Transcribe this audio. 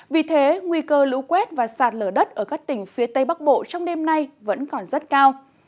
vì thế nguy cơ lũ quét và sạt lở đất ở các tỉnh phía tây bắc bộ trong đêm nay vẫn còn rất cao